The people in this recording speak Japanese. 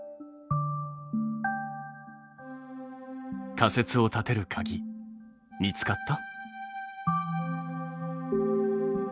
仮説を立てるかぎ見つかった？